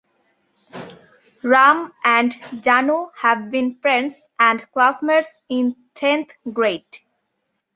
Ram and Jaanu have been friends and classmates in tenth grade.